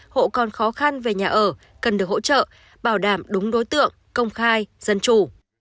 hộ còn khó khăn về nhà ở cần được hỗ trợ bảo đảm đúng đối tượng công khai dân chủ